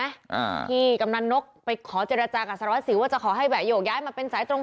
อ่าที่กำลังนกไปขอเจรจากับสรวจศิวเพื่อจะขอให้แบบยกย้ายมาเป็นสายตรง